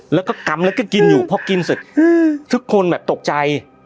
แล้วก็กำแล้วก็กินอยู่พอกินเสร็จทุกคนแบบตกใจ